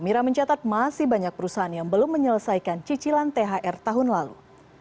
mira mencatat masih banyak perusahaan yang belum menyelesaikan cicilan thr tahun lalu